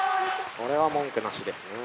これは文句なしですね。